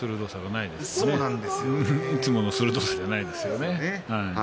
いつもの鋭さがないですね。